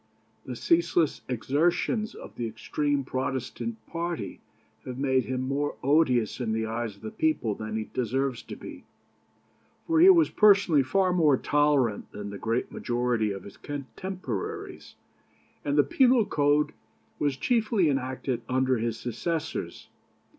The ceaseless exertions of the extreme Protestant party have made him more odious in the eyes of the people than he deserves to be; for he was personally far more tolerant than the great majority of his contemporaries, and the penal code was chiefly enacted under his successors.